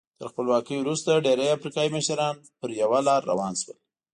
تر خپلواکۍ وروسته ډېری افریقایي مشران په یوه لار روان شول.